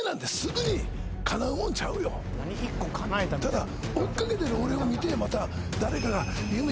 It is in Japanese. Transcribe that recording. ただ。